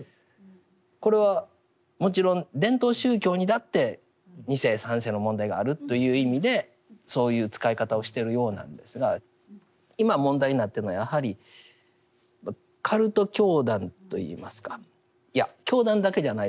これはもちろん伝統宗教にだって２世３世の問題があるという意味でそういう使い方をしてるようなんですが今問題になってるのはやはりカルト教団といいますかいや教団だけじゃないですよね。